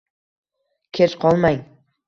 Kech qolmang!